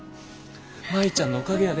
舞ちゃんのおかげやで。